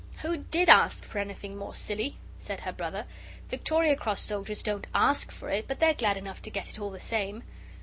"Who did ask for anything more, silly?" said her brother; "Victoria Cross soldiers don't ASK for it; but they're glad enough to get it all the same.